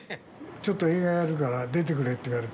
「ちょっと映画やるから出てくれ」って言われて。